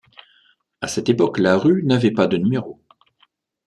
À cette époque, la rue n'avait pas de numéros.